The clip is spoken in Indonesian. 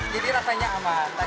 jadi rasanya aman